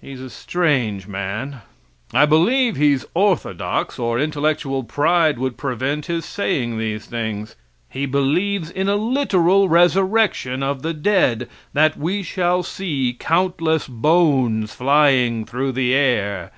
He's a strange man. I believe he's orthodox, or intellectual pride would prevent his saying these things. He believes in a literal resurrection of the dead; that we shall see countless bones flying through the air.